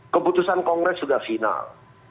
keputusan kongres sudah final